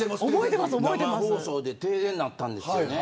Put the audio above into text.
生放送で停電になったんですよね。